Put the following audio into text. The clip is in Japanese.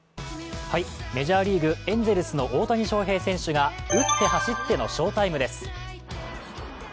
メジャーリーグ、エンゼルスの大谷翔平選手が打って走っての翔タイムです。